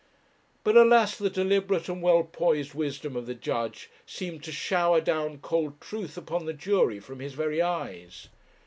But, alas! the deliberate and well poised wisdom of the judge seemed to shower down cold truth upon the jury from his very eyes.